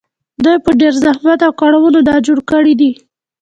دوی په ډېر زحمت او کړاوونو دا جوړ کړي دي